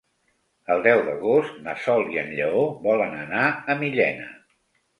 El deu d'agost na Sol i en Lleó volen anar a Millena.